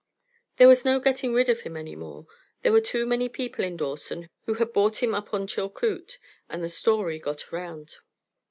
There was no getting rid of him any more. There were too many people in Dawson who had bought him up on Chilcoot, and the story got around.